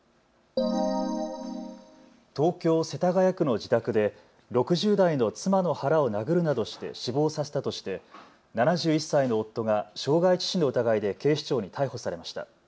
東京世田谷区の自宅で６０代の妻の腹を殴るなどして死亡させたとして７１歳の夫が傷害致死の疑いで警視庁に逮捕されました。